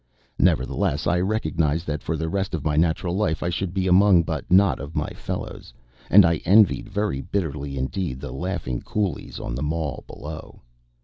Nevertheless I recognized that for the rest of my natural life I should be among but not of my fellows; and I envied very bitterly indeed the laughing coolies on the Mall below.